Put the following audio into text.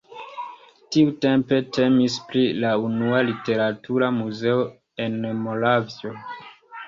Tiutempe temis pri la unua literatura muzeo en Moravio.